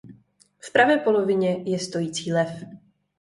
V pravé polovině je stojící lev.